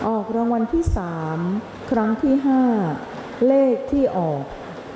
ออกรางวัลที่๓ครั้งที่๕เลขที่ออก๐๗๓๖๓๐๐๗๓๖๓๐